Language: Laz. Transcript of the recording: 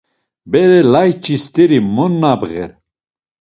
Beres layç̌i steri mo nabğer.